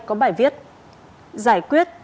có bài viết giải quyết